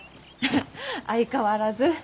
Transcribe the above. ハハッ相変わらず。